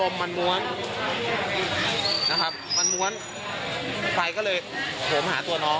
มันม้วนนะครับมันม้วนไฟก็เลยโหมหาตัวน้อง